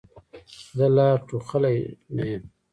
زه لا ټوخلې نه یم.